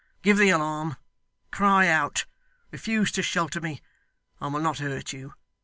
Give the alarm, cry out, refuse to shelter me. I will not hurt you.